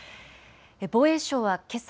防衛省はけさ